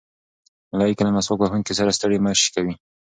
ملایکې له مسواک وهونکي سره ستړې مه شي کوي.